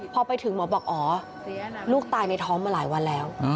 พอไปถึงหมอบอกอ๋อลูกตายในท้องมาหลายวันแล้ว